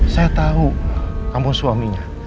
saya tau kamu suaminya